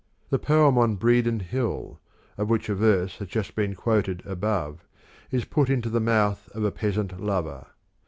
The poem on Bredon Hill, of which a verse has just been quoted above, is put into the mouth of a peasant lover.